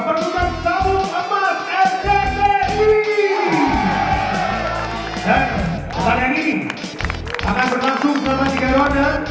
pada saat ini mereka akan berlangsung ke tiga ronde